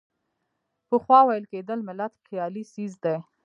پخوا ویل کېدل ملت خیالي څیز دی.